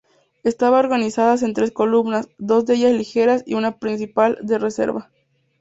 Estaban organizadas en tres columnas, dos de ellas ligeras y una principal, de reserva.